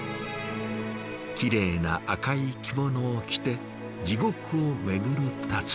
きれいな赤い着物を着て地獄をめぐる田鶴。